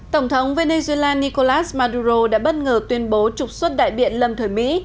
tổng thống venezuela nicolas maduro đã bất ngờ tuyên bố trục xuất đại biện lâm thời mỹ